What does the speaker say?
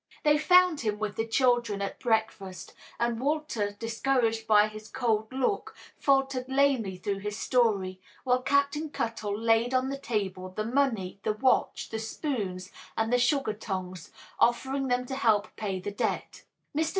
They found him with the children at breakfast, and Walter, discouraged by his cold look, faltered lamely through his story, while Captain Cuttle laid on the table the money, the watch, the spoons and the sugar tongs, offering them to help pay the debt. Mr.